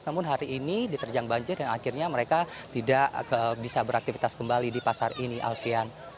namun hari ini diterjang banjir dan akhirnya mereka tidak bisa beraktivitas kembali di pasar ini alfian